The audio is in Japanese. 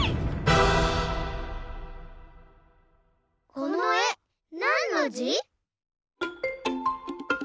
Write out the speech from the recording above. このえなんのじ？